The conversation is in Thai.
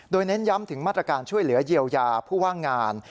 โดยเน้นย้ำถึงมาตรการช่วยเหลือเยียวยาผู้ว่างงาน